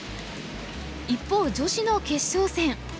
一方女子の決勝戦。